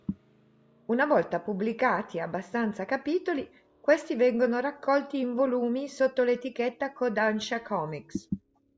Una volta pubblicati abbastanza capitoli, questi vengono raccolti in volumi sotto l'etichetta Kodansha Comics.